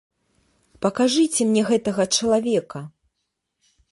Пакажыце мне гэтага чалавека!